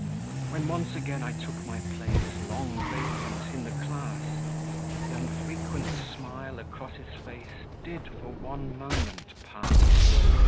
When once again I took my place, Long vacant, in the class, Th' unfrequent smile across his face Did for one moment pass.